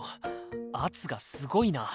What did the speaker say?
圧がすごいな。